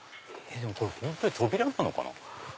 本当に扉なのかな？